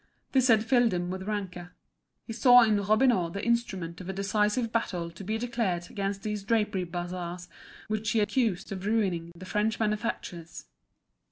This had filled him with rancour; he saw in Robineau the instrument of a decisive battle to be declared against these drapery bazaars which he accused of ruining the French manufacturers.